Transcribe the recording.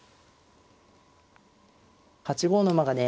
８五の馬がね